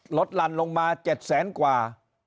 หลั่นลงมา๗แสนกว่า